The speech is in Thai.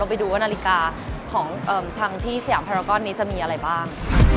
ไปดูว่านาฬิกาของทางที่สยามภารกรนี้จะมีอะไรบ้าง